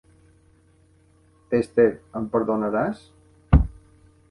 Esther, em perdonaràs?